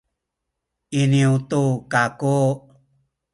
iniyu tu kaku